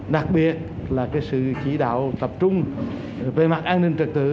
đặc biệt là sự chỉ đạo tập trung về mặt an ninh trật tự